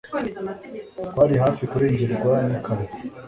Twari hafi kurengerwa n'ikamyo